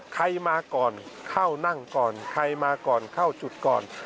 ใครมาก่อนเข้านั่งก่อนใครมาก่อนเข้าจุดก่อน